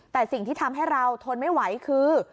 แต่สิ่งที่ทำให้เราทนไม่ไหวคือ